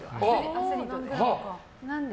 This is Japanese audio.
アスリートで。